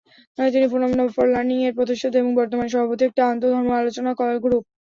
তিনি forum for learning -এর প্রতিষ্ঠাতা এবং বর্তমানে সভাপতি, একটি আন্ত-ধর্ম আলোচনা গ্রুপ।